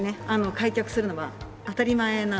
開脚するのは当たり前なんですね。